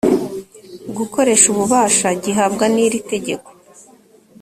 gukoresha ububasha gihabwa n iri tegeko